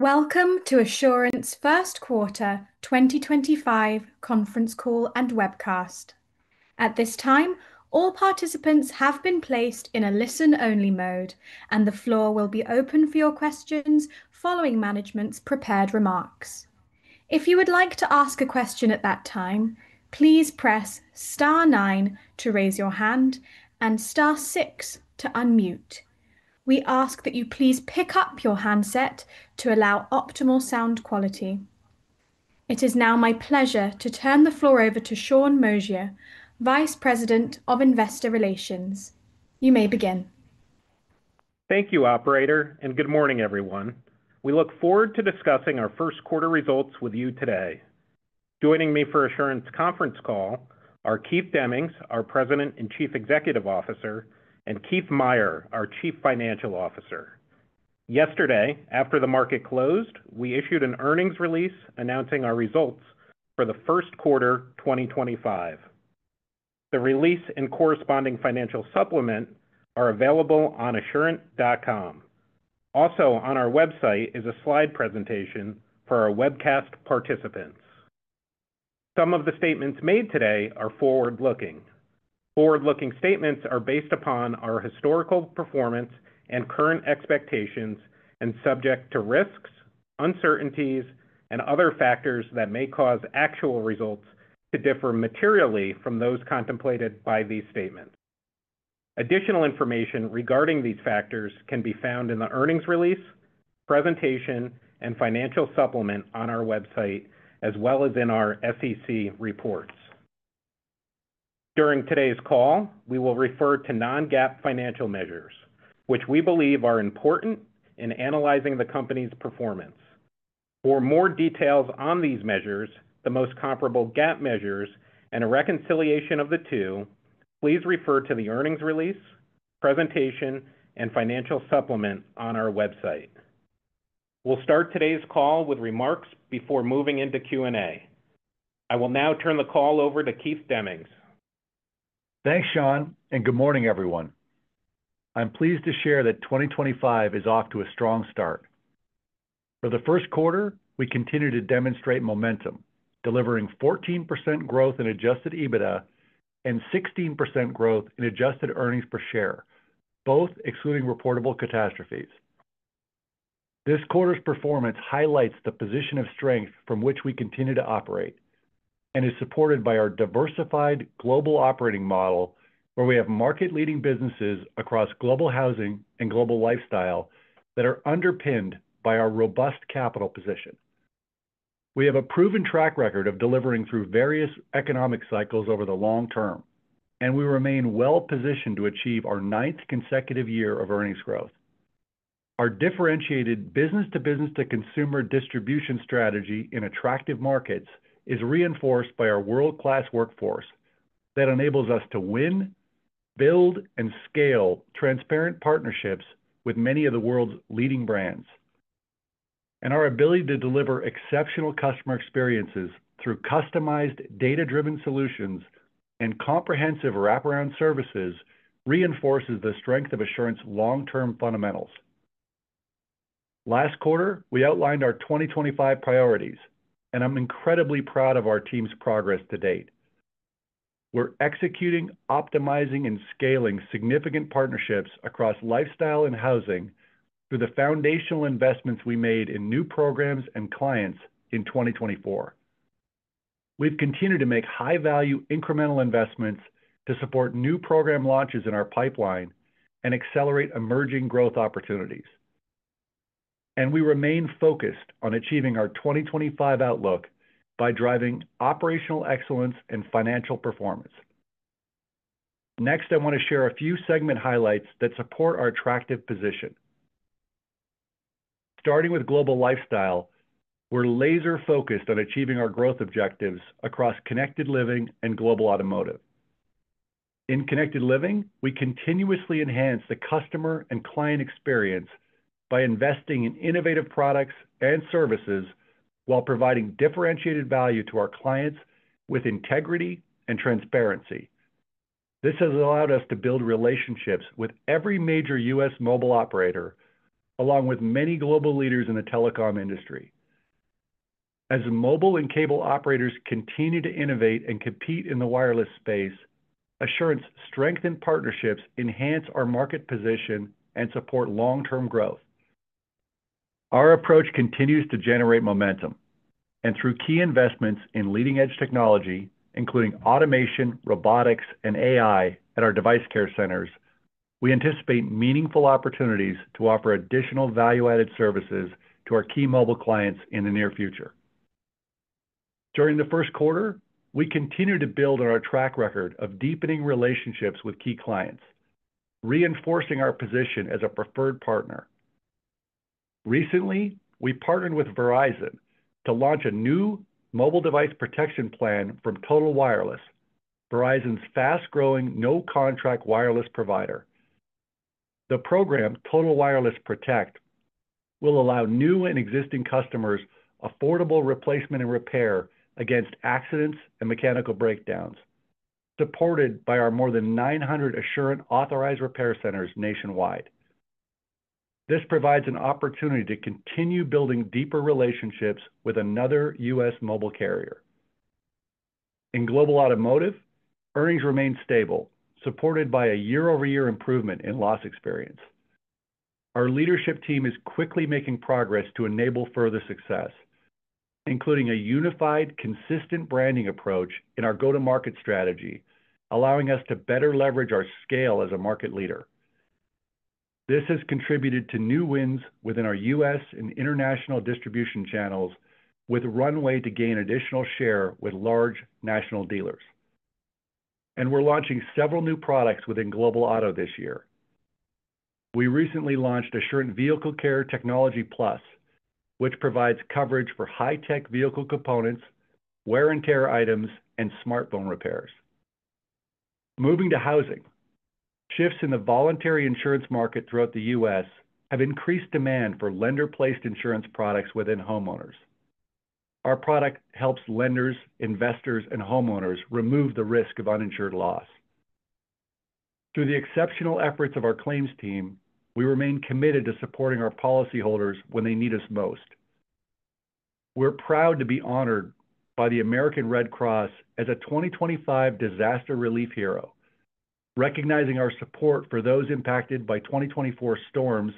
Welcome to Assurant's First Quarter 2025 Conference Call and Webcast. At this time, all participants have been placed in a listen-only mode, and the floor will be open for your questions following management's prepared remarks. If you would like to ask a question at that time, please press star nine to raise your hand and star six to unmute. We ask that you please pick up your handset to allow optimal sound quality. It is now my pleasure to turn the floor over to Sean Moshier, Vice President of Investor Relations. You may begin. Thank you, Operator, and good morning, everyone. We look forward to discussing our first quarter results with you today. Joining me for Assurant's conference call are Keith Demmings, our President and Chief Executive Officer, and Keith Meier, our Chief Financial Officer. Yesterday, after the market closed, we issued an earnings release announcing our results for the first quarter 2025. The release and corresponding financial supplement are available on assurant.com. Also, on our website is a slide presentation for our webcast participants. Some of the statements made today are forward-looking. Forward-looking statements are based upon our historical performance and current expectations and subject to risks, uncertainties, and other factors that may cause actual results to differ materially from those contemplated by these statements. Additional information regarding these factors can be found in the earnings release, presentation, and financial supplement on our website, as well as in our SEC reports. During today's call, we will refer to non-GAAP financial measures, which we believe are important in analyzing the company's performance. For more details on these measures, the most comparable GAAP measures, and a reconciliation of the two, please refer to the earnings release, presentation, and financial supplement on our website. We'll start today's call with remarks before moving into Q&A. I will now turn the call over to Keith Demmings. Thanks, Sean, and good morning, everyone. I'm pleased to share that 2025 is off to a strong start. For the first quarter, we continue to demonstrate momentum, delivering 14% growth in adjusted EBITDA and 16% growth in adjusted earnings per share, both excluding reportable catastrophes. This quarter's performance highlights the position of strength from which we continue to operate and is supported by our diversified global operating model, where we have market-leading businesses across Global Housing and Global Lifestyle that are underpinned by our robust capital position. We have a proven track record of delivering through various economic cycles over the long term, and we remain well-positioned to achieve our ninth consecutive year of earnings growth. Our differentiated business-to-business-to-consumer distribution strategy in attractive markets is reinforced by our world-class workforce that enables us to win, build, and scale transparent partnerships with many of the world's leading brands. Our ability to deliver exceptional customer experiences through customized, data-driven solutions and comprehensive wraparound services reinforces the strength of Assurant's long-term fundamentals. Last quarter, we outlined our 2025 priorities, and I'm incredibly proud of our team's progress to date. We're executing, optimizing, and scaling significant partnerships across lifestyle and housing through the foundational investments we made in new programs and clients in 2024. We've continued to make high-value incremental investments to support new program launches in our pipeline and accelerate emerging growth opportunities. We remain focused on achieving our 2025 outlook by driving operational excellence and financial performance. Next, I want to share a few segment highlights that support our attractive position. starting with global lifestyle, we're laser-focused on achieving our growth objectives across connected living and global automotive. In Connected Living, we continuously enhance the customer and client experience by investing in innovative products and services while providing differentiated value to our clients with integrity and transparency. This has allowed us to build relationships with every major U.S. mobile operator, along with many global leaders in the telecom industry. As mobile and cable operators continue to innovate and compete in the wireless space, Assurant's strengthened partnerships enhance our market position and support long-term growth. Our approach continues to generate momentum, and through key investments in leading-edge technology, including automation, robotics, and AI at our device care centers, we anticipate meaningful opportunities to offer additional value-added services to our key mobile clients in the near future. During the first quarter, we continue to build on our track record of deepening relationships with key clients, reinforcing our position as a preferred partner. Recently, we partnered with Verizon to launch a new mobile device protection plan from Total Wireless, Verizon's fast-growing no-contract wireless provider. The program, Total Wireless Protect, will allow new and existing customers affordable replacement and repair against accidents and mechanical breakdowns, supported by our more than 900 Assurant authorized repair centers nationwide. This provides an opportunity to continue building deeper relationships with another U.S. mobile carrier. In global automotive, earnings remain stable, supported by a year-over-year improvement in loss experience. Our leadership team is quickly making progress to enable further success, including a unified, consistent branding approach in our go-to-market strategy, allowing us to better leverage our scale as a market leader. This has contributed to new wins within our U.S. and international distribution channels, with a runway to gain additional share with large national dealers. We are launching several new products within global auto this year. We recently launched Assurant Vehicle Care Technology Plus, which provides coverage for high-tech vehicle components, wear-and-tear items, and smartphone repairs. Moving to housing, shifts in the voluntary insurance market throughout the U.S. have increased demand for lender-placed insurance products within homeowners. Our product helps lenders, investors, and homeowners remove the risk of uninsured loss. Through the exceptional efforts of our claims team, we remain committed to supporting our policyholders when they need us most. We're proud to be honored by the American Red Cross as a 2025 Disaster Relief Hero, recognizing our support for those impacted by 2024 storms,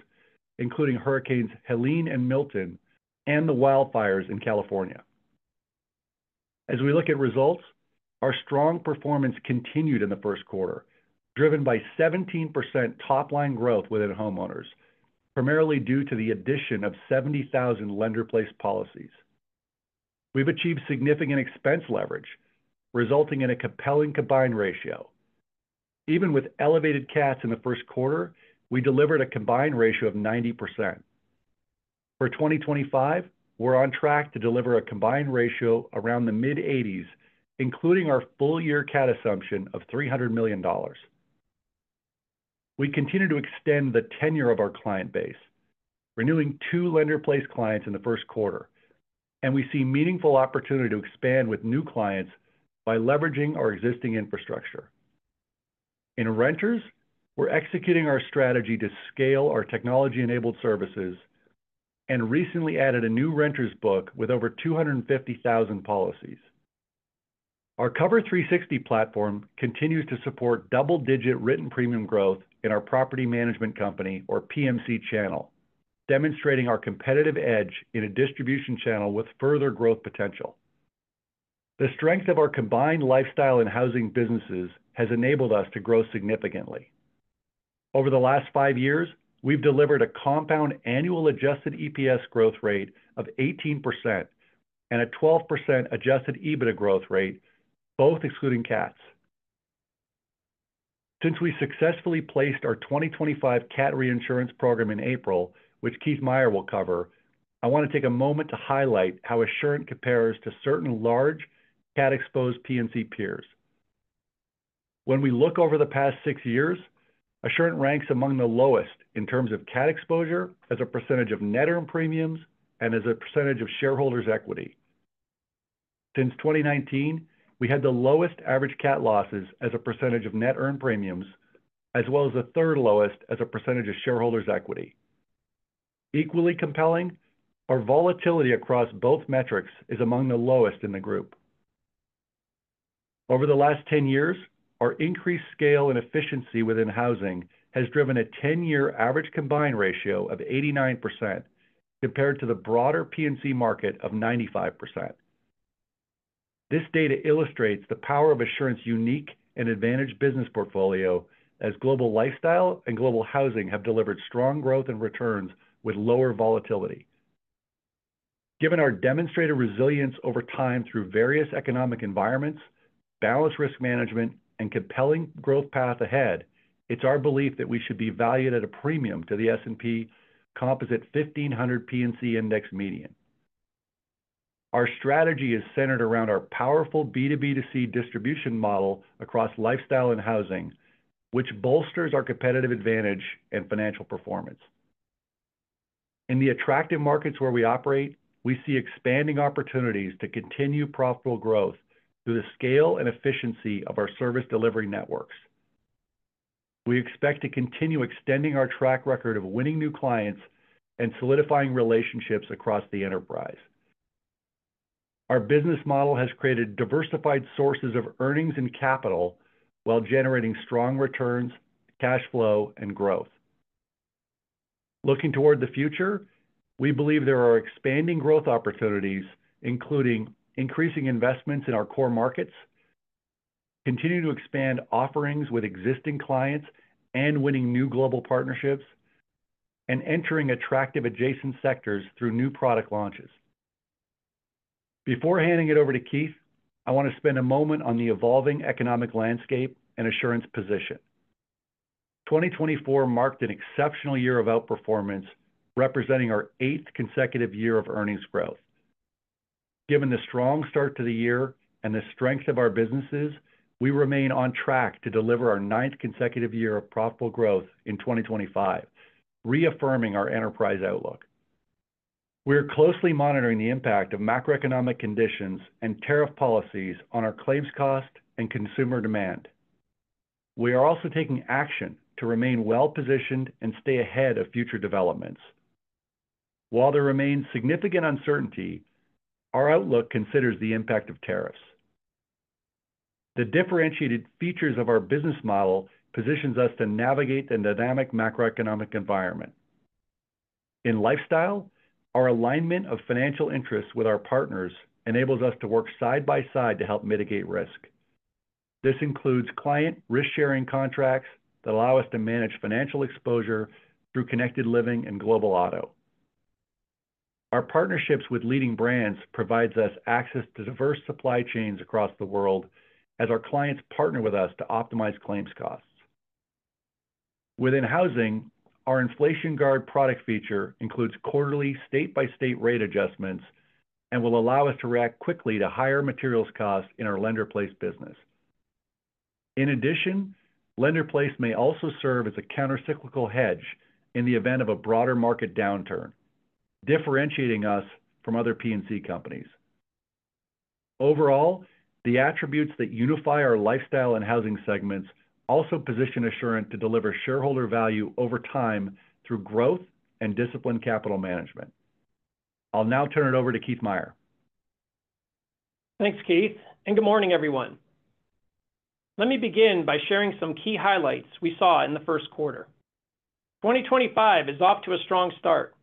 including Hurricanes Helene and Milton, and the wildfires in California. As we look at results, our strong performance continued in the first quarter, driven by 17% top-line growth within homeowners, primarily due to the addition of 70,000 lender-placed policies. We've achieved significant expense leverage, resulting in a compelling combine ratio. Even with elevated CATs in the first quarter, we delivered a combine ratio of 90%. For 2025, we're on track to deliver a combine ratio around the mid-80s, including our full-year CAT assumption of $300 million. We continue to extend the tenure of our client base, renewing two lender-placed clients in the first quarter, and we see meaningful opportunity to expand with new clients by leveraging our existing infrastructure. In renters, we're executing our strategy to scale our technology-enabled services and recently added a new renters book with over 250,000 policies. Our Cover 360 platform continues to support double-digit written premium growth in our property management company, or PMC, channel, demonstrating our competitive edge in a distribution channel with further growth potential. The strength of our combined lifestyle and housing businesses has enabled us to grow significantly. Over the last five years, we've delivered a compound annual adjusted EPS growth rate of 18% and a 12% adjusted EBITDA growth rate, both excluding CATs. Since we successfully placed our 2025 CAT reinsurance program in April, which Keith Meier will cover, I want to take a moment to highlight how Assurant compares to certain large CAT-exposed PMC peers. When we look over the past six years, Assurant ranks among the lowest in terms of CAT exposure as a percentage of net earned premiums and as a percentage of shareholders' equity. Since 2019, we had the lowest average CAT losses as a percentage of net earned premiums, as well as the third lowest as a percentage of shareholders' equity. Equally compelling, our volatility across both metrics is among the lowest in the group. Over the last 10 years, our increased scale and efficiency within housing has driven a 10-year average combine ratio of 89% compared to the broader PMC market of 95%. This data illustrates the power of Assurant's unique and advantaged business portfolio as Global Lifestyle and Global Housing have delivered strong growth and returns with lower volatility. Given our demonstrated resilience over time through various economic environments, balanced risk management, and compelling growth path ahead, it's our belief that we should be valued at a premium to the S&P Composite 1500 PMC Index median. Our strategy is centered around our powerful B2B2C distribution model across Lifestyle and Housing, which bolsters our competitive advantage and financial performance. In the attractive markets where we operate, we see expanding opportunities to continue profitable growth through the scale and efficiency of our service delivery networks. We expect to continue extending our track record of winning new clients and solidifying relationships across the enterprise. Our business model has created diversified sources of earnings and capital while generating strong returns, cash flow, and growth. Looking toward the future, we believe there are expanding growth opportunities, including increasing investments in our core markets, continuing to expand offerings with existing clients and winning new global partnerships, and entering attractive adjacent sectors through new product launches. Before handing it over to Keith, I want to spend a moment on the evolving economic landscape and Assurant's position. 2024 marked an exceptional year of outperformance, representing our eighth consecutive year of earnings growth. Given the strong start to the year and the strength of our businesses, we remain on track to deliver our ninth consecutive year of profitable growth in 2025, reaffirming our enterprise outlook. We are closely monitoring the impact of macroeconomic conditions and tariff policies on our claims cost and consumer demand. We are also taking action to remain well-positioned and stay ahead of future developments. While there remains significant uncertainty, our outlook considers the impact of tariffs. The differentiated features of our business model position us to navigate the dynamic macroeconomic environment. In lifestyle, our alignment of financial interests with our partners enables us to work side by side to help mitigate risk. This includes client risk-sharing contracts that allow us to manage financial exposure through Connected Living and Global Auto. Our partnerships with leading brands provide us access to diverse supply chains across the world as our clients partner with us to optimize claims costs. Within housing, our inflation guard product feature includes quarterly state-by-state rate adjustments and will allow us to react quickly to higher materials costs in our lender-placed business. In addition, lender-placed may also serve as a countercyclical hedge in the event of a broader market downturn, differentiating us from other PMC companies. Overall, the attributes that unify our lifestyle and housing segments also position Assurant to deliver shareholder value over time through growth and disciplined capital management. I'll now turn it over to Keith Meier. Thanks, Keith, and good morning, everyone. Let me begin by sharing some key highlights we saw in the first quarter. 2025 is off to a strong start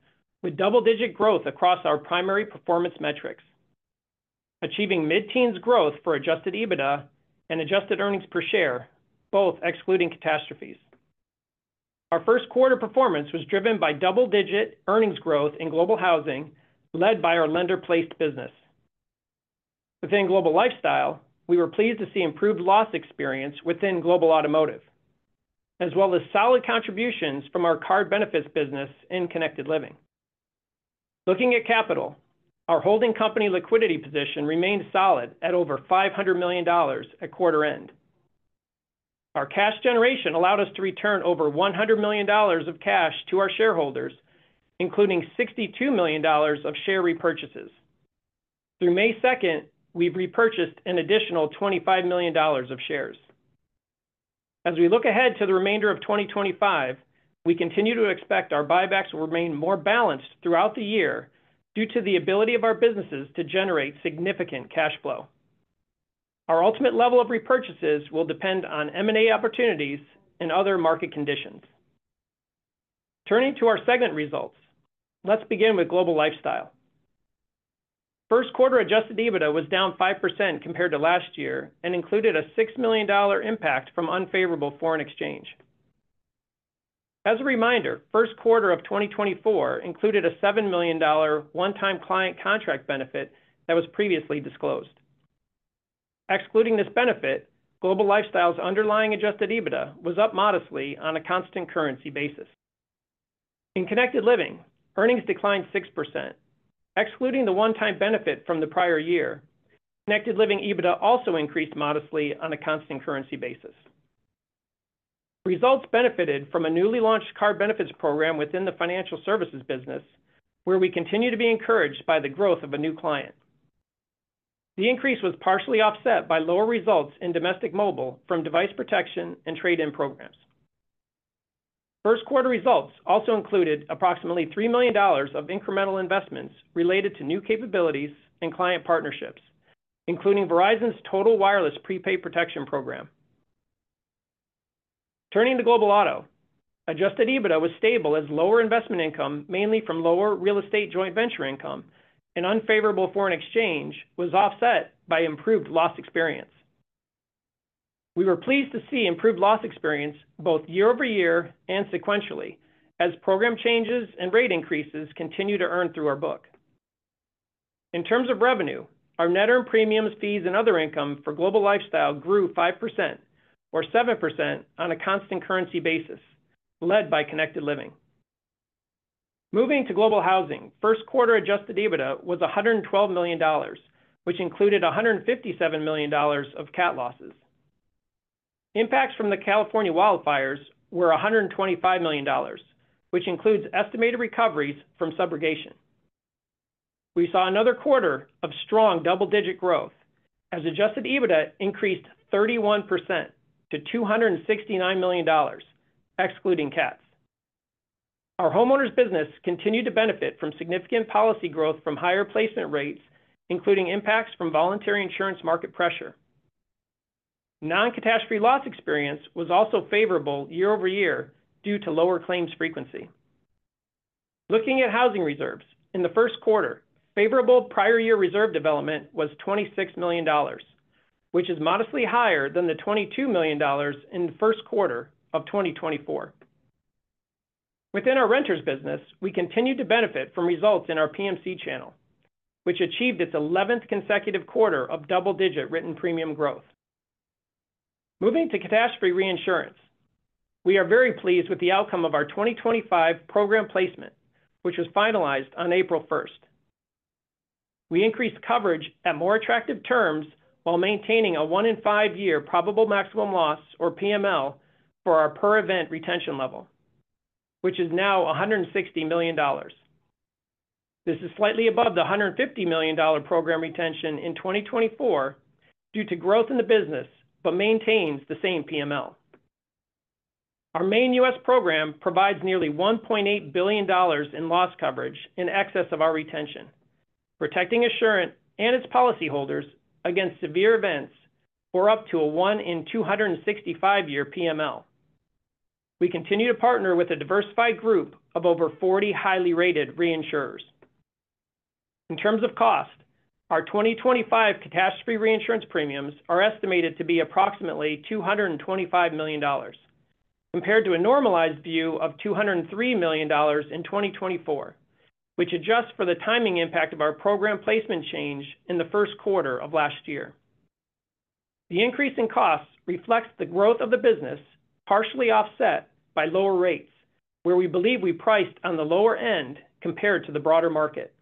with double-digit growth across our primary performance metrics, achieving mid-teens growth for adjusted EBITDA and adjusted earnings per share, both excluding catastrophes. Our first quarter performance was driven by double-digit earnings growth in Global Housing led by our lender-placed business. Within Global Lifestyle, we were pleased to see improved loss experience within Global Automotive, as well as solid contributions from our card benefits business in Connected Living. Looking at capital, our holding company liquidity position remained solid at over $500 million at quarter end. Our cash generation allowed us to return over $100 million of cash to our shareholders, including $62 million of share repurchases. Through May 2nd, we've repurchased an additional $25 million of shares. As we look ahead to the remainder of 2025, we continue to expect our buybacks will remain more balanced throughout the year due to the ability of our businesses to generate significant cash flow. Our ultimate level of repurchases will depend on M&A opportunities and other market conditions. Turning to our segment results, let's begin with Global Lifestyle. First quarter adjusted EBITDA was down 5% compared to last year and included a $6 million impact from unfavorable foreign exchange. As a reminder, first quarter of 2024 included a $7 million one-time client contract benefit that was previously disclosed. Excluding this benefit, Global Lifestyle's underlying adjusted EBITDA was up modestly on a constant currency basis. In Connected Living, earnings declined 6%. Excluding the one-time benefit from the prior year, Connected Living EBITDA also increased modestly on a constant currency basis. Results benefited from a newly launched card benefits program within the financial services business, where we continue to be encouraged by the growth of a new client. The increase was partially offset by lower results in domestic mobile from device protection and trade-in programs. First quarter results also included approximately $3 million of incremental investments related to new capabilities and client partnerships, including Verizon's Total Wireless prepaid protection program. Turning to Global Auto, adjusted EBITDA was stable as lower investment income, mainly from lower real estate joint venture income and unfavorable foreign exchange, was offset by improved loss experience. We were pleased to see improved loss experience both year over year and sequentially as program changes and rate increases continue to earn through our book. In terms of revenue, our net earned premiums, fees, and other income for Global Lifestyle grew 5% or 7% on a constant currency basis, led by Connected Living. Moving to Global Housing, first quarter adjusted EBITDA was $112 million, which included $157 million of CAT losses. Impacts from the California wildfires were $125 million, which includes estimated recoveries from subrogation. We saw another quarter of strong double-digit growth as adjusted EBITDA increased 31% to $269 million, excluding CATs. Our homeowners business continued to benefit from significant policy growth from higher placement rates, including impacts from voluntary insurance market pressure. Non-catastrophe loss experience was also favorable year over year due to lower claims frequency. Looking at housing reserves, in the first quarter, favorable prior year reserve development was $26 million, which is modestly higher than the $22 million in the first quarter of 2024. Within our renters business, we continued to benefit from results in our PMC channel, which achieved its 11th consecutive quarter of double-digit written premium growth. Moving to catastrophe reinsurance, we are very pleased with the outcome of our 2025 program placement, which was finalized on April 1st. We increased coverage at more attractive terms while maintaining a one-in-five year probable maximum loss, or PML, for our per-event retention level, which is now $160 million. This is slightly above the $150 million program retention in 2024 due to growth in the business, but maintains the same PML. Our main U.S. program provides nearly $1.8 billion in loss coverage in excess of our retention, protecting Assurant and its policyholders against severe events for up to a one-in-265-year PML. We continue to partner with a diversified group of over 40 highly rated reinsurers. In terms of cost, our 2025 catastrophe reinsurance premiums are estimated to be approximately $225 million, compared to a normalized view of $203 million in 2024, which adjusts for the timing impact of our program placement change in the first quarter of last year. The increase in costs reflects the growth of the business, partially offset by lower rates, where we believe we priced on the lower end compared to the broader market.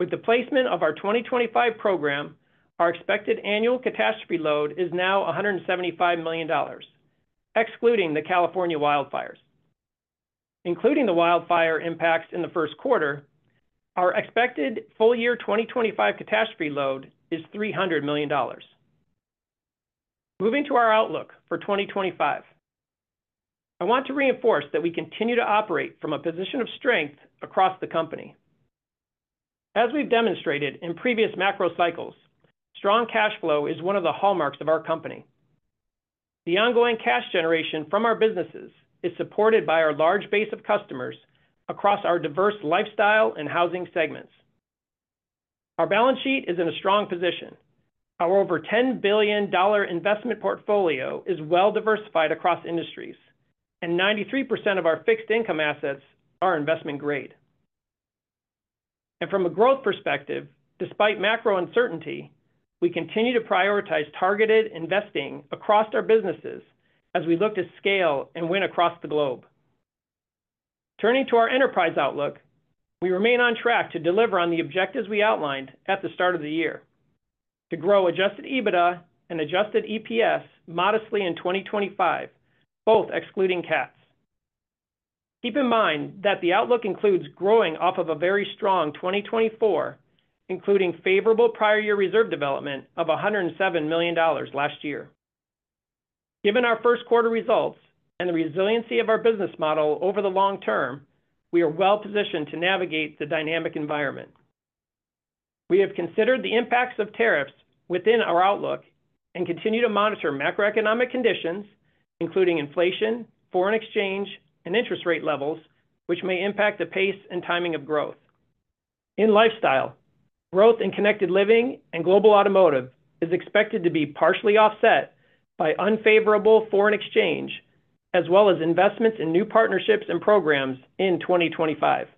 With the placement of our 2025 program, our expected annual catastrophe load is now $175 million, excluding the California wildfires. Including the wildfire impacts in the first quarter, our expected full-year 2025 catastrophe load is $300 million. Moving to our outlook for 2025, I want to reinforce that we continue to operate from a position of strength across the company. As we've demonstrated in previous macro cycles, strong cash flow is one of the hallmarks of our company. The ongoing cash generation from our businesses is supported by our large base of customers across our diverse lifestyle and housing segments. Our balance sheet is in a strong position. Our over $10 billion investment portfolio is well-diversified across industries, and 93% of our fixed income assets are investment-grade. From a growth perspective, despite macro uncertainty, we continue to prioritize targeted investing across our businesses as we look to scale and win across the globe. Turning to our enterprise outlook, we remain on track to deliver on the objectives we outlined at the start of the year to grow adjusted EBITDA and adjusted EPS modestly in 2025, both excluding CATs. Keep in mind that the outlook includes growing off of a very strong 2024, including favorable prior year reserve development of $107 million last year. Given our first quarter results and the resiliency of our business model over the long term, we are well-positioned to navigate the dynamic environment. We have considered the impacts of tariffs within our outlook and continue to monitor macroeconomic conditions, including inflation, foreign exchange, and interest rate levels, which may impact the pace and timing of growth. In Lifestyle, growth in Connected Living and Global Automotive is expected to be partially offset by unfavorable foreign exchange, as well as investments in new partnerships and programs in 2025.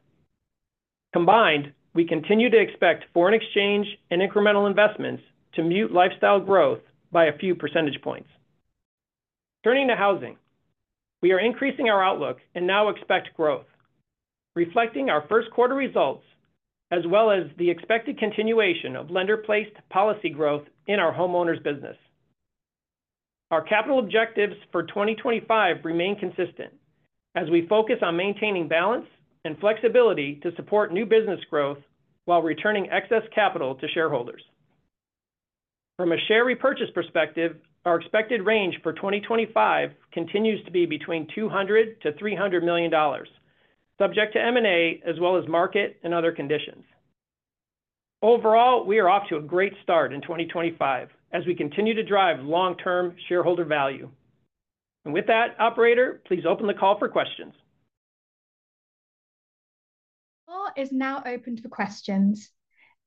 Combined, we continue to expect foreign exchange and incremental investments to mute Lifestyle growth by a few percentage points. Turning to Housing, we are increasing our outlook and now expect growth, reflecting our first quarter results, as well as the expected continuation of lender-placed policy growth in our homeowners business. Our capital objectives for 2025 remain consistent as we focus on maintaining balance and flexibility to support new business growth while returning excess capital to shareholders. From a share repurchase perspective, our expected range for 2025 continues to be between $200 million-$300 million, subject to M&A as well as market and other conditions. Overall, we are off to a great start in 2025 as we continue to drive long-term shareholder value. With that, operator, please open the call for questions. The call is now open for questions.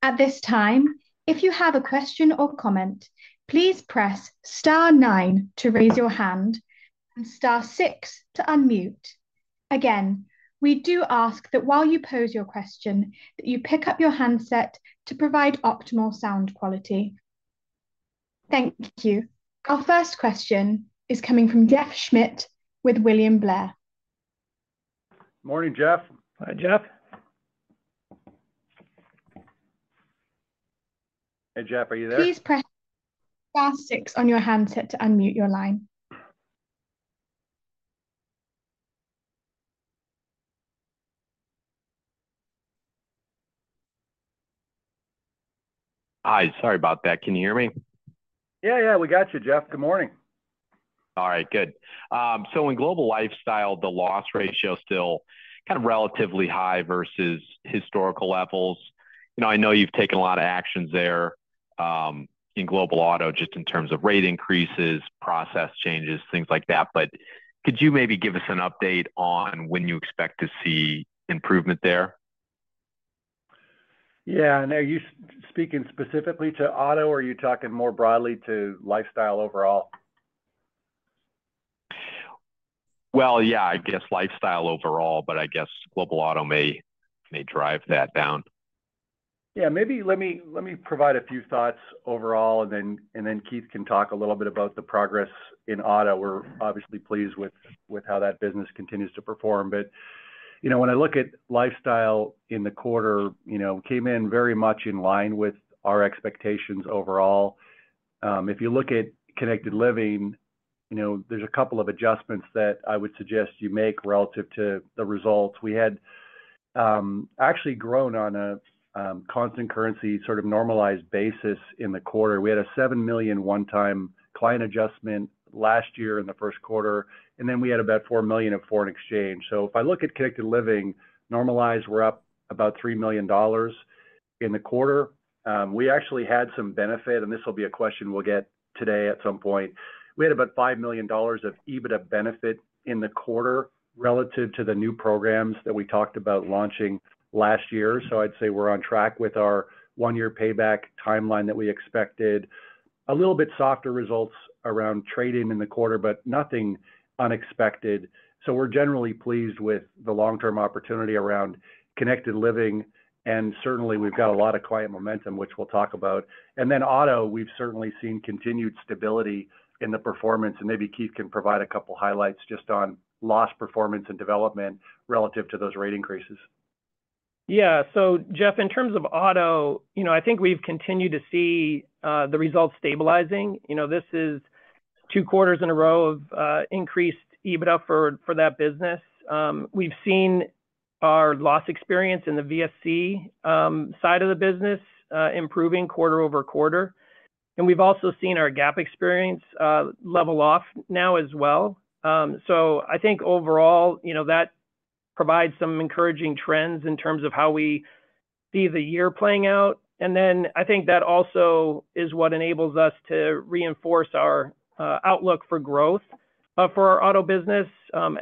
At this time, if you have a question or comment, please press star nine to raise your hand and star six to unmute. Again, we do ask that while you pose your question, that you pick up your handset to provide optimal sound quality. Thank you. Our first question is coming from Jeff Schmitt with William Blair. Morning, Jeff. Hi, Jeff. Hey, Jeff, are you there? Please press star six on your handset to unmute your line. Hi, sorry about that. Can you hear me? Yeah, yeah, we got you, Jeff. Good morning. All right, good. In Global Lifestyle, the loss ratio is still kind of relatively high versus historical levels. I know you've taken a lot of actions there in Global Auto just in terms of rate increases, process changes, things like that. Could you maybe give us an update on when you expect to see improvement there? Yeah, now, are you speaking specifically to auto or are you talking more broadly to lifestyle overall? Yeah, I guess lifestyle overall, but I guess Global Auto may drive that down. Maybe let me provide a few thoughts overall, and then Keith can talk a little bit about the progress in auto. We're obviously pleased with how that business continues to perform. When I look at lifestyle in the quarter, it came in very much in line with our expectations overall. If you look at Connected Living, there's a couple of adjustments that I would suggest you make relative to the results. We had actually grown on a constant currency sort of normalized basis in the quarter. We had a $7 million one-time client adjustment last year in the first quarter, and then we had about $4 million of foreign exchange. If I look at Connected Living, normalized, we're up about $3 million in the quarter. We actually had some benefit, and this will be a question we'll get today at some point. We had about $5 million of EBITDA benefit in the quarter relative to the new programs that we talked about launching last year. I'd say we're on track with our one-year payback timeline that we expected. A little bit softer results around trading in the quarter, but nothing unexpected. We are generally pleased with the long-term opportunity around Connected Living, and certainly we have a lot of client momentum, which we will talk about. In auto, we have certainly seen continued stability in the performance, and maybe Keith can provide a couple of highlights just on loss performance and development relative to those rate increases. Yeah, Jeff, in terms of auto, I think we have continued to see the results stabilizing. This is two quarters in a row of increased EBITDA for that business. We have seen our loss experience in the VSC side of the business improving quarter over quarter. We have also seen our gap experience level off now as well. I think overall, that provides some encouraging trends in terms of how we see the year playing out. I think that also is what enables us to reinforce our outlook for growth for our auto business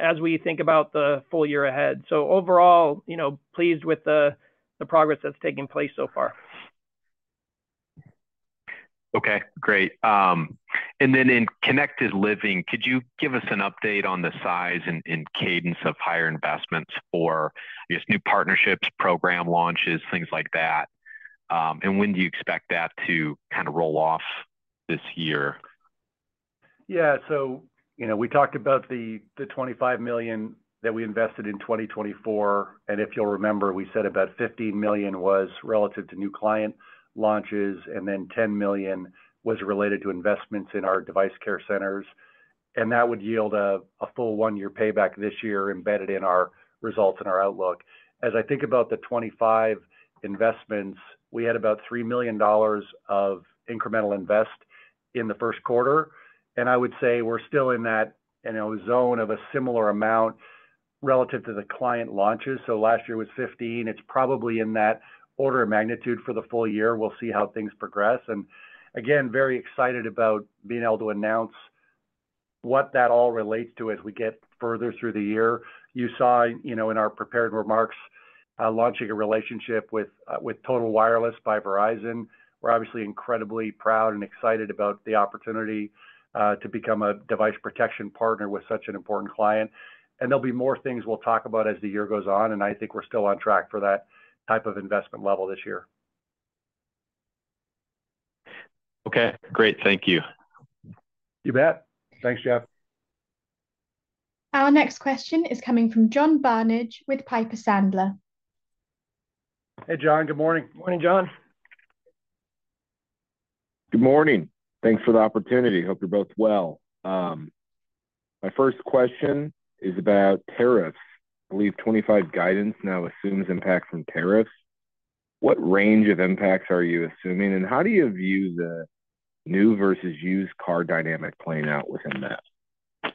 as we think about the full year ahead. Overall, pleased with the progress that's taking place so far. Okay, great. In Connected Living, could you give us an update on the size and cadence of higher investments for, I guess, new partnerships, program launches, things like that? When do you expect that to kind of roll off this year? Yeah We talked about the $25 million that we invested in 2024. If you'll remember, we said about $15 million was relative to new client launches, and $10 million was related to investments in our device care centers. That would yield a full one-year payback this year embedded in our results and our outlook. As I think about the $25 million investments, we had about $3 million of incremental invest in the first quarter. I would say we're still in that zone of a similar amount relative to the client launches. Last year was $15. It's probably in that order of magnitude for the full year. We'll see how things progress. Again, very excited about being able to announce what that all relates to as we get further through the year. You saw in our prepared remarks launching a relationship with Total Wireless by Verizon. We're obviously incredibly proud and excited about the opportunity to become a device protection partner with such an important client. There'll be more things we'll talk about as the year goes on, and I think we're still on track for that type of investment level this year. Okay, great. Thank you. You bet. Thanks, Jeff. Our next question is coming from John Barnidge with Piper Sandler. Hey, John. Good morning. Morning, John. Good morning. Thanks for the opportunity. Hope you're both well. My first question is about tariffs. I believe 2025 guidance now assumes impact from tariffs. What range of impacts are you assuming, and how do you view the new versus used car dynamic playing out within that?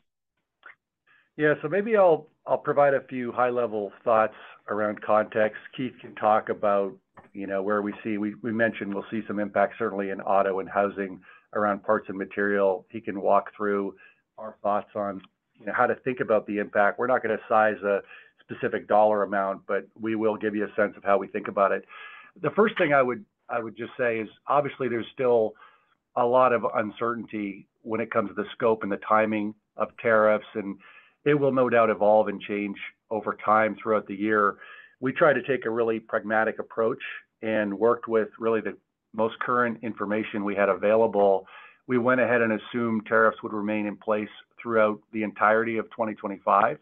Yeah, maybe I'll provide a few high-level thoughts around context. Keith can talk about where we see we mentioned we'll see some impact, certainly in auto and housing around parts and material. He can walk through our thoughts on how to think about the impact. We're not going to size a specific dollar amount, but we will give you a sense of how we think about it. The first thing I would just say is, obviously, there's still a lot of uncertainty when it comes to the scope and the timing of tariffs, and it will no doubt evolve and change over time throughout the year. We tried to take a really pragmatic approach and worked with really the most current information we had available. We went ahead and assumed tariffs would remain in place throughout the entirety of 2025.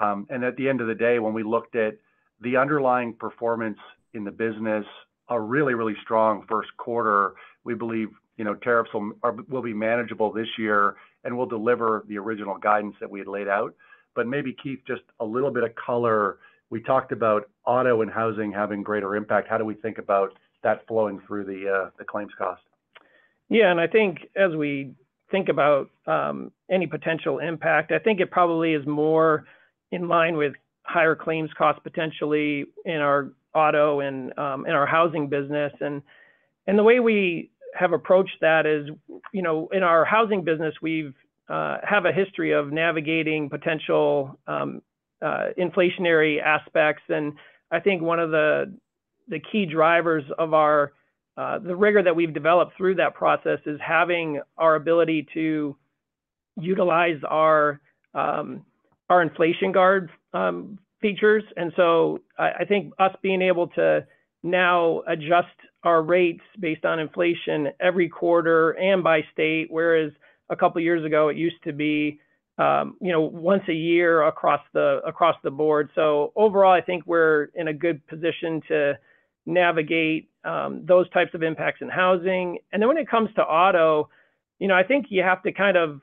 At the end of the day, when we looked at the underlying performance in the business, a really, really strong first quarter, we believe tariffs will be manageable this year and will deliver the original guidance that we had laid out. Maybe, Keith, just a little bit of color. We talked about auto and housing having greater impact. How do we think about that flowing through the claims cost? Yeah, and I think as we think about any potential impact, I think it probably is more in line with higher claims costs potentially in our auto and in our housing business. The way we have approached that is, in our housing business, we have a history of navigating potential inflationary aspects. I think one of the key drivers of the rigor that we've developed through that process is having our ability to utilize our inflation guard features. I think us being able to now adjust our rates based on inflation every quarter and by state, whereas a couple of years ago, it used to be once a year across the board. Overall, I think we're in a good position to navigate those types of impacts in housing. When it comes to auto, I think you have to kind of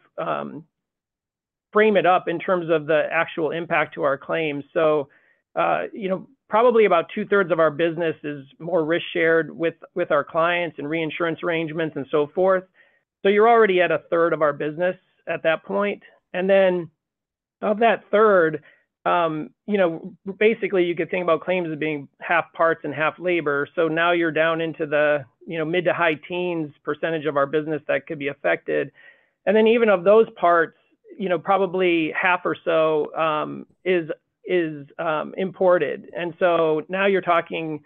frame it up in terms of the actual impact to our claims. Probably about two-thirds of our business is more risk-shared with our clients and reinsurance arrangements and so forth. You are already at a third of our business at that point. Of that third, basically, you could think about claims as being half parts and half labor. Now you are down into the mid to high teens-percentage of our business that could be affected. Even of those parts, probably half or so is imported. Now you are talking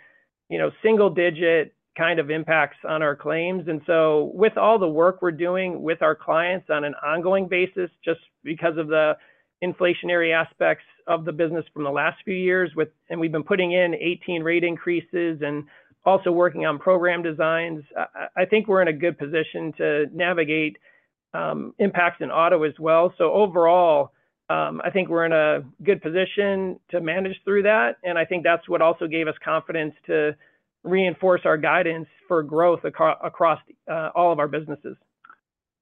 single-digit kind of impacts on our claims. With all the work we are doing with our clients on an ongoing basis, just because of the inflationary aspects of the business from the last few years, and we have been putting in 18 rate increases and also working on program designs, I think we are in a good position to navigate impacts in auto as well. Overall, I think we are in a good position to manage through that. I think that is what also gave us confidence to reinforce our guidance for growth across all of our businesses.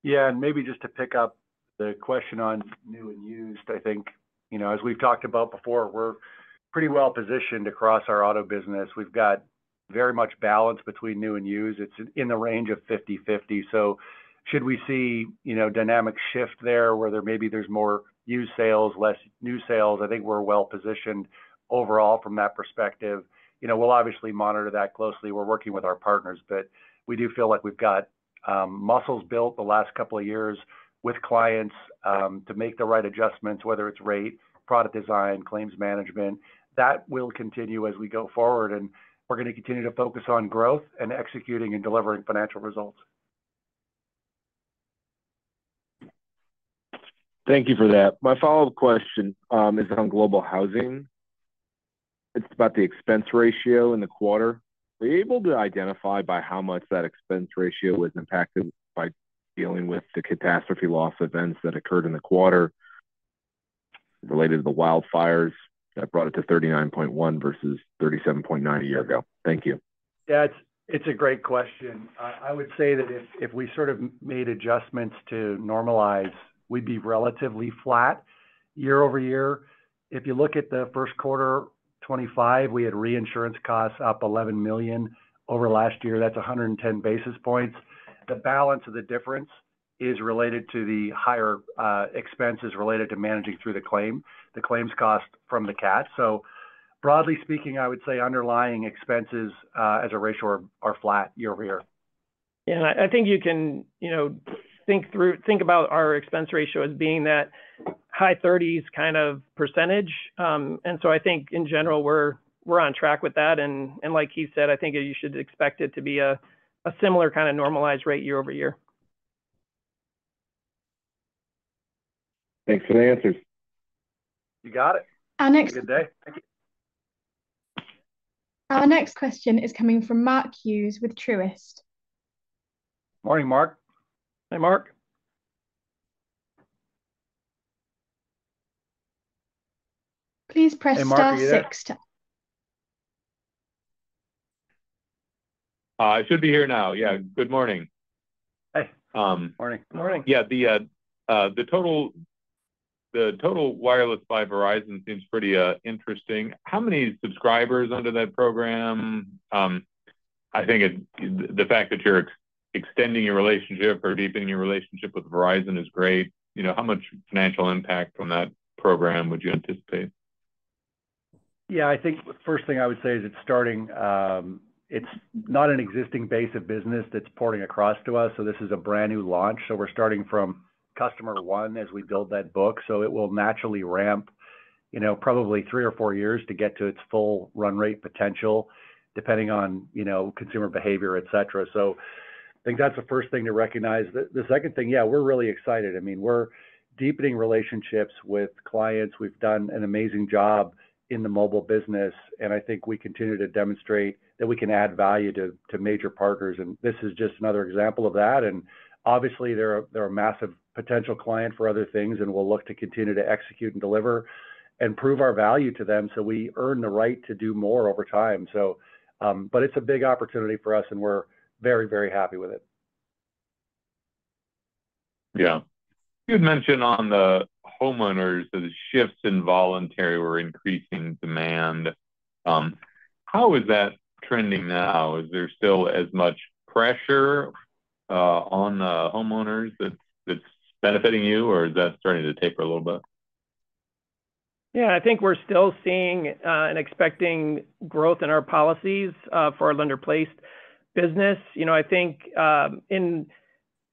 Yeah, and maybe just to pick up the question on new and used, I think, as we have talked about before, we are pretty well positioned across our auto business. We have got very much balance between new and used. It is in the range of 50/50. Should we see a dynamic shift there where maybe there's more used sales, less new sales, I think we're well positioned overall from that perspective. We'll obviously monitor that closely. We're working with our partners, but we do feel like we've got muscles built the last couple of years with clients to make the right adjustments, whether it's rate, product design, claims management. That will continue as we go forward, and we're going to continue to focus on growth and executing and delivering financial results. Thank you for that. My follow-up question is on Global Housing. It's about the expense ratio in the quarter. Are you able to identify by how much that expense ratio was impacted by dealing with the catastrophe loss events that occurred in the quarter related to the wildfires that brought it to 39.1% versus 37.9% a year ago? Thank you. Yeah, it's a great question. I would say that if we sort of made adjustments to normalize, we'd be relatively flat year over year. If you look at the first quarter, 2025, we had reinsurance costs up $11 million over last year. That's 110 basis points. The balance of the difference is related to the higher expenses related to managing through the claim, the claims cost from the CAT. Broadly speaking, I would say underlying expenses as a ratio are flat year over year. Yeah, I think you can think about our expense ratio as being that high 30s kind of percentage. I think, in general, we're on track with that. Like Keith said, I think you should expect it to be a similar kind of normalized rate year over year. Thanks for the answers. You got it. Have a good day. Thank you. Our next question is coming from Mark Hughes with Truist. Morning, Mark. Hey, Mark. Please press star six. It should be here now. Yeah, good morning. Morning. Yeah, the Total Wireless by Verizon seems pretty interesting. How many subscribers under that program? I think the fact that you're extending your relationship or deepening your relationship with Verizon is great. How much financial impact from that program would you anticipate? Yeah, I think the first thing I would say is it's starting, it's not an existing base of business that's porting across to us. This is a brand new launch. We are starting from customer one as we build that book. It will naturally ramp, probably three or four years to get to its full run rate potential, depending on consumer behavior, etc. I think that's the first thing to recognize. The second thing, yeah, we're really excited. I mean, we're deepening relationships with clients. We've done an amazing job in the mobile business, and I think we continue to demonstrate that we can add value to major partners. This is just another example of that. Obviously, they're a massive potential client for other things, and we'll look to continue to execute and deliver and prove our value to them so we earn the right to do more over time. It is a big opportunity for us, and we're very, very happy with it. Yeah. You had mentioned on the homeowners that the shifts in voluntary or increasing demand. How is that trending now? Is there still as much pressure on the homeowners that's benefiting you, or is that starting to taper a little bit? Yeah, I think we're still seeing and expecting growth in our policies for our lender-placed business. I think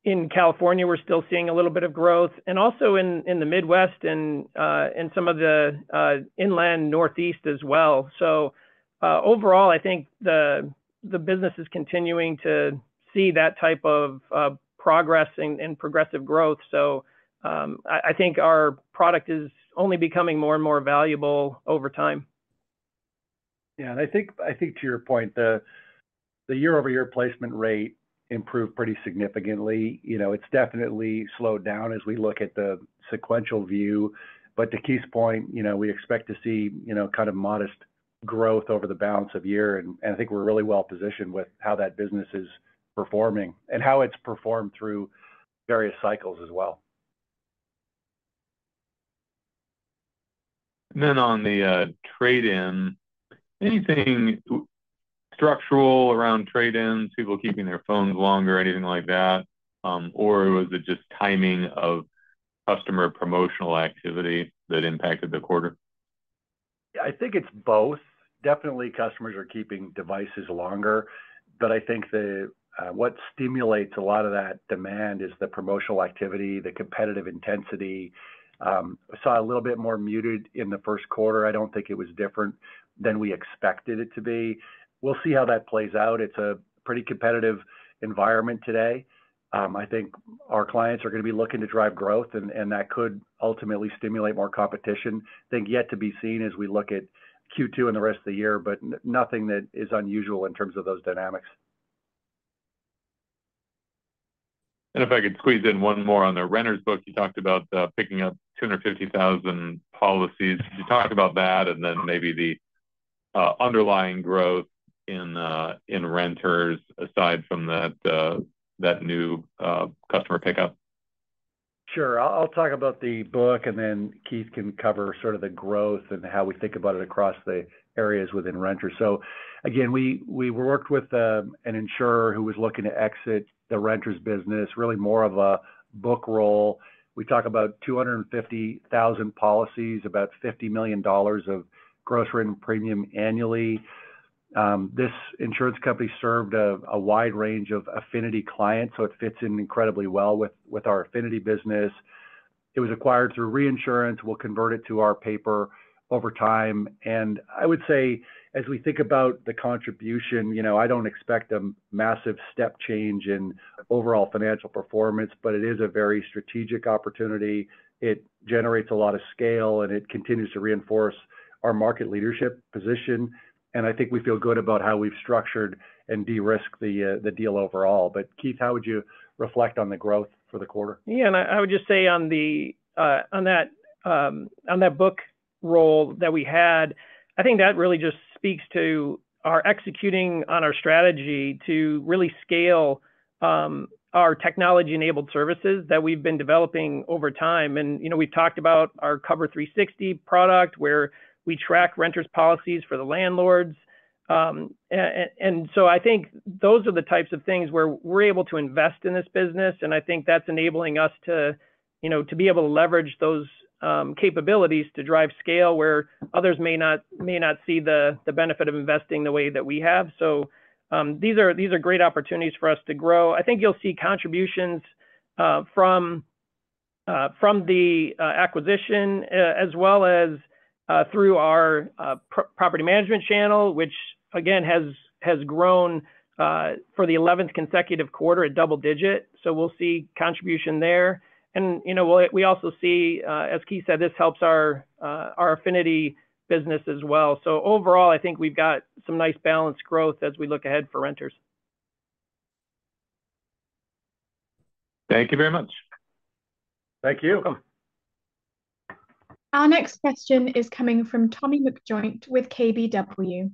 in California, we're still seeing a little bit of growth, and also in the Midwest and some of the inland Northeast as well. Overall, I think the business is continuing to see that type of progress and progressive growth. I think our product is only becoming more and more valuable over time. Yeah, I think to your point, the year-over-year placement rate improved pretty significantly. It's definitely slowed down as we look at the sequential view. To Keith's point, we expect to see kind of modest growth over the balance of the year. I think we're really well positioned with how that business is performing and how it's performed through various cycles as well. On the trade-in, anything structural around trade-ins, people keeping their phones longer, anything like that? Was it just timing of customer promotional activity that impacted the quarter? Yeah, I think it's both. Definitely, customers are keeping devices longer. I think what stimulates a lot of that demand is the promotional activity, the competitive intensity. We saw a little bit more muted in the first quarter. I don't think it was different than we expected it to be. We'll see how that plays out. It's a pretty competitive environment today. I think our clients are going to be looking to drive growth, and that could ultimately stimulate more competition. I think yet to be seen as we look at Q2 and the rest of the year, but nothing that is unusual in terms of those dynamics. If I could squeeze in one more on the renters book, you talked about picking up 250,000 policies. Could you talk about that and then maybe the underlying growth in renters aside from that new customer pickup? Sure. I'll talk about the book, and then Keith can cover sort of the growth and how we think about it across the areas within renters. Again, we worked with an insurer who was looking to exit the renters business, really more of a book roll. We talk about 250,000 policies, about $50 million of gross rent premium annually. This insurance company served a wide range of affinity clients, so it fits in incredibly well with our affinity business. It was acquired through reinsurance. We'll convert it to our paper over time. I would say, as we think about the contribution, I do not expect a massive step change in overall financial performance, but it is a very strategic opportunity. It generates a lot of scale, and it continues to reinforce our market leadership position. I think we feel good about how we have structured and de-risked the deal overall. Keith, how would you reflect on the growth for the quarter? Yeah, I would just say on that book roll that we had, I think that really just speaks to our executing on our strategy to really scale our technology-enabled services that we have been developing over time. We have talked about our Cover 360 product where we track renters' policies for the landlords. I think those are the types of things where we are able to invest in this business. I think that's enabling us to be able to leverage those capabilities to drive scale where others may not see the benefit of investing the way that we have. These are great opportunities for us to grow. I think you'll see contributions from the acquisition as well as through our property management channel, which, again, has grown for the 11th consecutive quarter at double digit. We'll see contribution there. We also see, as Keith said, this helps our affinity business as well. Overall, I think we've got some nice balanced growth as we look ahead for renters. Thank you very much. Thank you. Our next question is coming from Tommy McJoynt with KBW.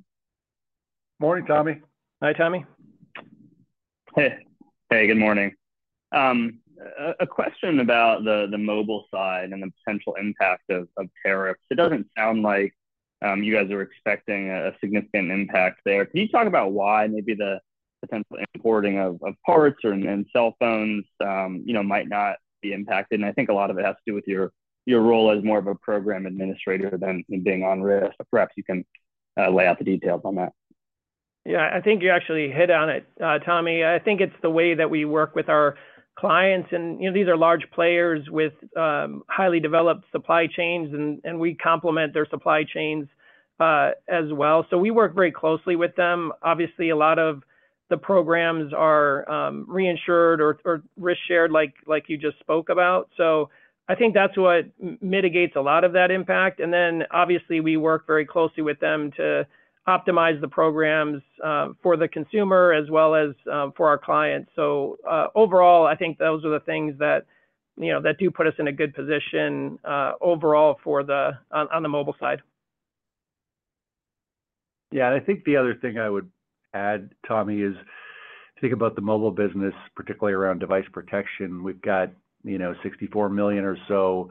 Morning, Tommy. Hi, Tommy. Hey, good morning. A question about the mobile side and the potential impact of tariffs. It doesn't sound like you guys are expecting a significant impact there. Can you talk about why maybe the potential importing of parts and cell phones might not be impacted? I think a lot of it has to do with your role as more of a program administrator than being on risk. Perhaps you can lay out the details on that. Yeah, I think you actually hit on it, Tommy. I think it's the way that we work with our clients. These are large players with highly developed supply chains, and we complement their supply chains as well. We work very closely with them. Obviously, a lot of the programs are reinsured or risk-shared, like you just spoke about. I think that's what mitigates a lot of that impact. Obviously, we work very closely with them to optimize the programs for the consumer as well as for our clients. Overall, I think those are the things that do put us in a good position overall on the mobile side. Yeah, and I think the other thing I would add, Tommy, is think about the mobile business, particularly around device protection. We've got 64 million or so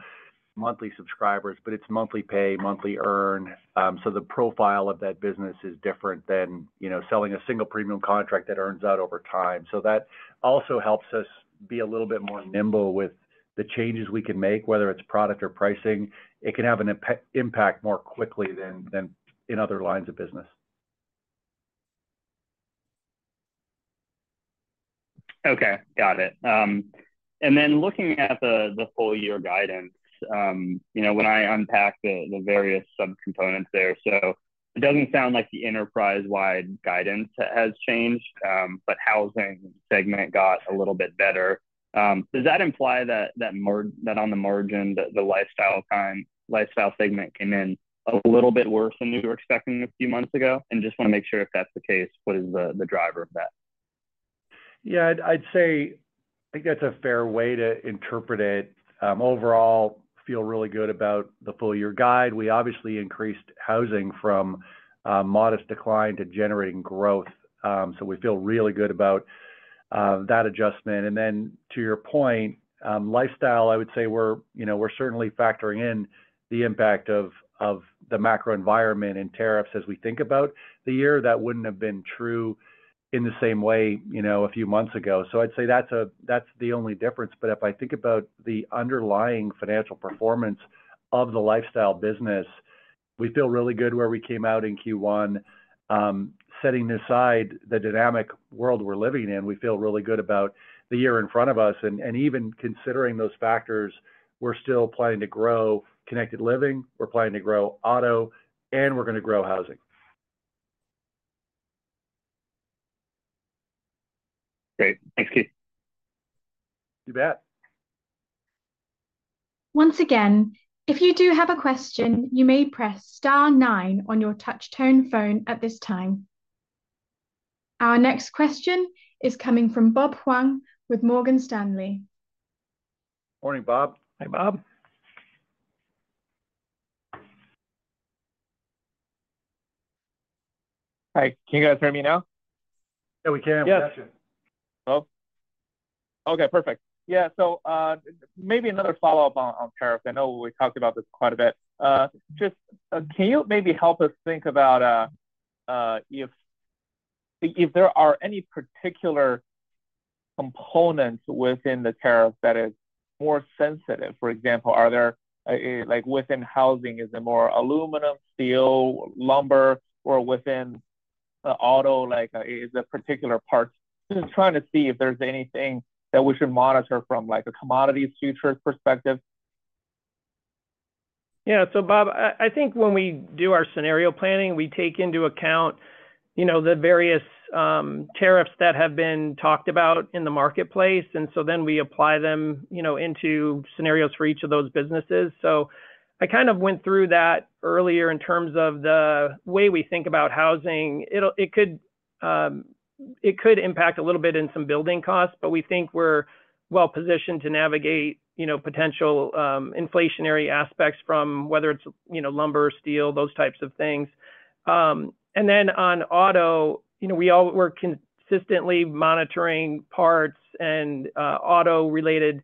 monthly subscribers, but it's monthly pay, monthly earn. The profile of that business is different than selling a single premium contract that earns out over time. That also helps us be a little bit more nimble with the changes we can make, whether it's product or pricing. It can have an impact more quickly than in other lines of business. Okay, got it. Looking at the full-year guidance, when I unpack the various subcomponents there, it doesn't sound like the enterprise-wide guidance has changed, but housing segment got a little bit better. Does that imply that on the margin, the lifestyle segment came in a little bit worse than you were expecting a few months ago? And just want to make sure if that's the case, what is the driver of that? Yeah, I'd say I think that's a fair way to interpret it. Overall, feel really good about the full-year guide. We obviously increased housing from modest decline to generating growth. We feel really good about that adjustment. To your point, lifestyle, I would say we're certainly factoring in the impact of the macro environment and tariffs as we think about the year. That wouldn't have been true in the same way a few months ago. I'd say that's the only difference. If I think about the underlying financial performance of the lifestyle business, we feel really good where we came out in Q1. Setting aside the dynamic world we're living in, we feel really good about the year in front of us. Even considering those factors, we're still planning to grow connected living. We're planning to grow auto, and we're going to grow housing. Great. Thanks, Keith. You bet. Once again, if you do have a question, you may press star nine on your touchtone phone at this time. Our next question is coming from Bob Huang with Morgan Stanley. Morning, Bob. Hi, Bob. Hi. Can you guys hear me now? Yeah, we can. Okay, perfect. Yeah, maybe another follow-up on tariffs. I know we talked about this quite a bit. Just can you maybe help us think about if there are any particular components within the tariff that is more sensitive? For example, within housing, is it more aluminum, steel, lumber, or within auto, is there particular parts? Just trying to see if there's anything that we should monitor from a commodity futures perspective. Yeah, so Bob, I think when we do our scenario planning, we take into account the various tariffs that have been talked about in the marketplace. We apply them into scenarios for each of those businesses. I kind of went through that earlier in terms of the way we think about housing. It could impact a little bit in some building costs, but we think we're well-positioned to navigate potential inflationary aspects from whether it's lumber, steel, those types of things. On auto, we were consistently monitoring parts and auto-related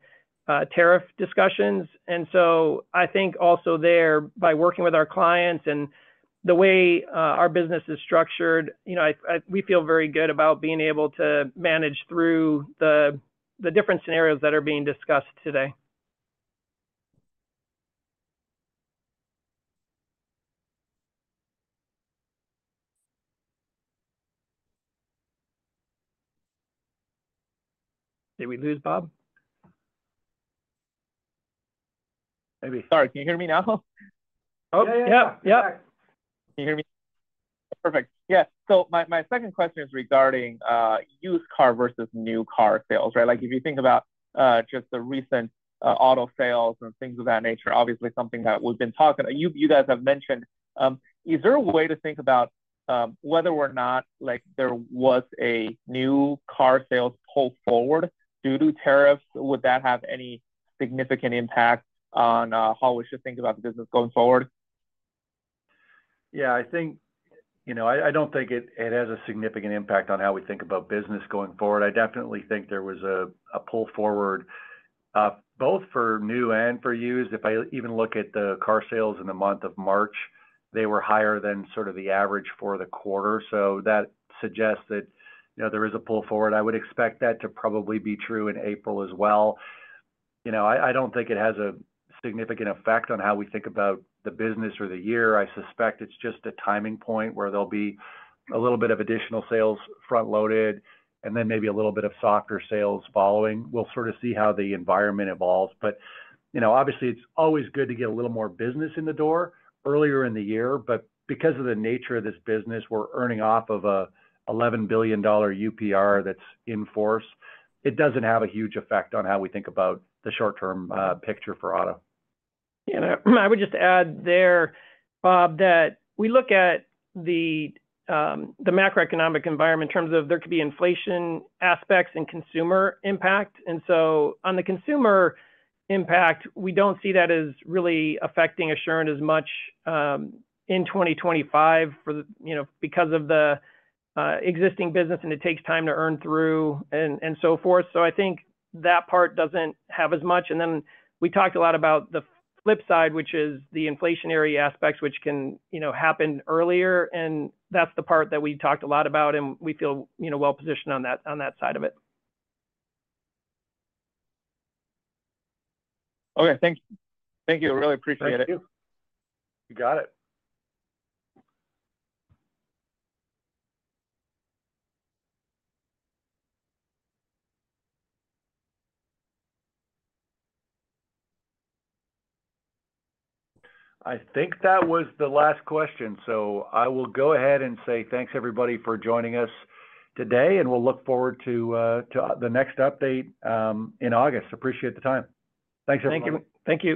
tariff discussions. I think also there, by working with our clients and the way our business is structured, we feel very good about being able to manage through the different scenarios that are being discussed today. Did we lose Bob? Maybe. Sorry, can you hear me now? Oh, yeah, yeah. Can you hear me? Perfect. Yeah. My second question is regarding used car versus new car sales, right? If you think about just the recent auto sales and things of that nature, obviously something that we've been talking about, you guys have mentioned, is there a way to think about whether or not there was a new car sales pull forward due to tariffs? Would that have any significant impact on how we should think about the business going forward? I think I don't think it has a significant impact on how we think about business going forward. I definitely think there was a pull forward both for new and for used. If I even look at the car sales in the month of March, they were higher than sort of the average for the quarter. That suggests that there is a pull forward. I would expect that to probably be true in April as well. I do not think it has a significant effect on how we think about the business or the year. I suspect it is just a timing point where there will be a little bit of additional sales front-loaded and then maybe a little bit of softer sales following. We will sort of see how the environment evolves. Obviously, it is always good to get a little more business in the door earlier in the year. Because of the nature of this business, we are earning off of an $11 billion UPR that is in force. It does not have a huge effect on how we think about the short-term picture for auto. Yeah, I would just add there, Bob, that we look at the macroeconomic environment in terms of there could be inflation aspects and consumer impact. On the consumer impact, we do not see that as really affecting Assurant as much in 2025 because of the existing business, and it takes time to earn through and so forth. I think that part does not have as much. We talked a lot about the flip side, which is the inflationary aspects, which can happen earlier. That is the part that we talked a lot about, and we feel well-positioned on that side of it. Okay, thank you. Thank you. I really appreciate it. Thank you. You got it. I think that was the last question. I will go ahead and say thanks, everybody, for joining us today, and we'll look forward to the next update in August. Appreciate the time. Thanks everyone. Thank you. Thank you.